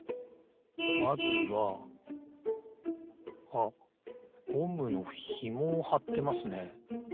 あっゴムのひもをはってますね。